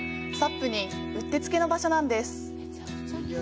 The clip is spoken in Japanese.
ＳＵＰにうってつけの場所なんです。